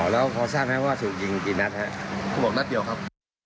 แล้วพอทราบไหมว่าถูกยิงกี่นัดครับเขาบอกนัดเดียวครับ